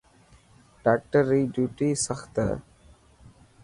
ڊاڪٽر ري ڊوٽي سخت هي.